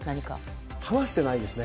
話してないですね。